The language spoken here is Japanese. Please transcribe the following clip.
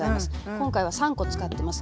今回は３コ使ってます。